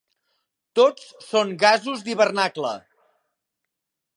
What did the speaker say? Tots són gasos d'hivernacle.